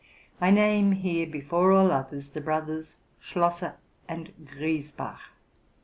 I name here, before all others, the brothers Schlosser and Griesbach.